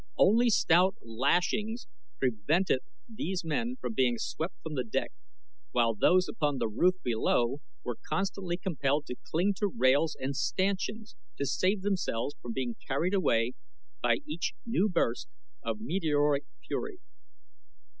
Only stout lashings prevented these men from being swept from the deck, while those upon the roof below were constantly compelled to cling to rails and stanchions to save themselves from being carried away by each new burst of meteoric fury.